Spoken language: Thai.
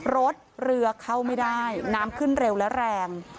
รถเรือเข้าไม่ได้น้ำขึ้นเร็วและแรง